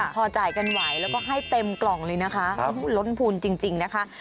พอจ่ายกันไหวแล้วก็ให้เต็มกล่องเลยนะคะล้นพูนจริงนะคะ